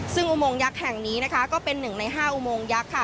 ซึ่งอุโมงยักษ์แห่งนี้นะคะก็เป็น๑ใน๕อุโมงยักษ์ค่ะ